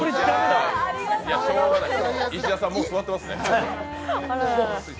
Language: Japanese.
石田さん、もう座ってますね。